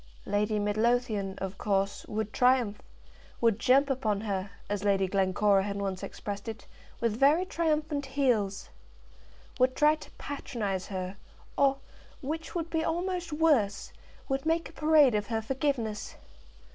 Lady Midlothian, of course, would triumph; would jump upon her, as Lady Glencora had once expressed it, with very triumphant heels, would try to patronize her, or, which would be almost worse, would make a parade of her forgiveness.